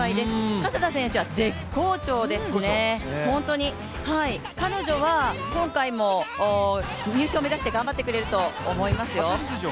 加世田選手は絶好調ですね、彼女は今回も入賞目指して頑張ってくれると思いますよ。